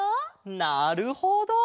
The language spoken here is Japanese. なるほど！